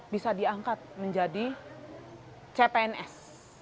bisa diangkat menjadi cpns